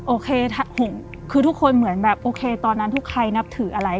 โอเคหงคือทุกคนเหมือนแบบโอเคตอนนั้นทุกใครนับถืออะไร